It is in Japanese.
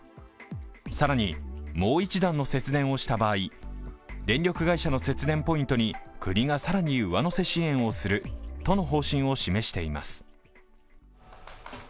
更に、もう一段の節電をした場合、電力会社の節電ポイントに国が更に上乗せ支援をするとの方針を示しています。